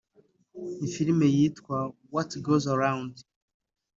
Ni filime yitwa What goes around